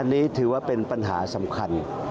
อันนี้ถือว่าเป็นปัญหาสำคัญ